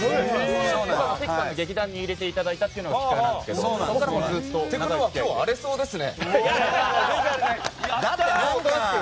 関さんの劇団に入れていただいたのがきっかけなんですけどそこからずっと。ってことは今日荒れそうですね。